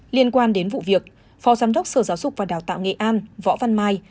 liên quan đến vụ việc phó giám đốc sở giáo dục và đào tạo nghệ an võ văn mai